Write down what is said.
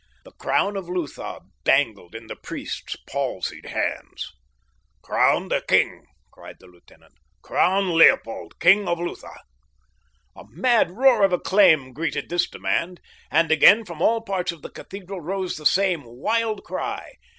The crown of Lutha dangled in the priest's palsied hands. "Crown the king!" cried the lieutenant. "Crown Leopold, king of Lutha!" A mad roar of acclaim greeted this demand, and again from all parts of the cathedral rose the same wild cry.